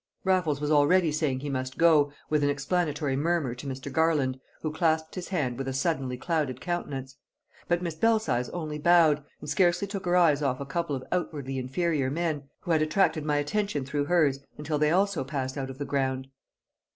Raffles was already saying he must go, with an explanatory murmur to Mr. Garland, who clasped his hand with a suddenly clouded countenance. But Miss Belsize only bowed, and scarcely took her eyes off a couple of outwardly inferior men, who had attracted my attention through hers, until they also passed out of the ground.